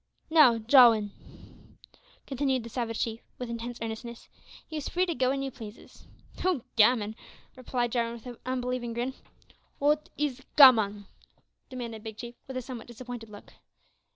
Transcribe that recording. Now, Jowin," continued the savage chief, with intense earnestness, "you's free to go when you pleases." "Oh, gammon!" replied Jarwin, with an unbelieving grin. "Wot is gammon?" demanded Big Chief, with a somewhat disappointed look.